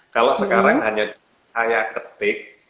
kalau sekarang hanya saya ketik